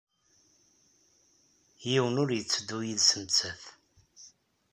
Yiwen ur yetteddu yid-s nettat.